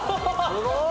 すごい！